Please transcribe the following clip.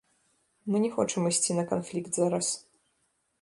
Мы не хочам ісці на канфлікт зараз.